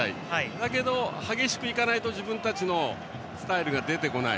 だけど、激しくいかないと自分たちのスタイルが出てこない